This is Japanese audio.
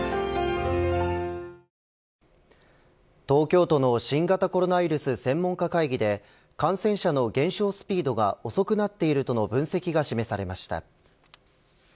東京都の新型コロナウイルス専門家会議で感染者の減少スピードが遅くなっているとの分析が示されました。